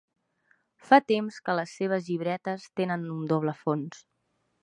Fa temps que les seves llibretes tenen un doble fons.